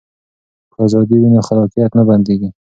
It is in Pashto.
که ازادي وي نو خلاقیت نه بنديږي.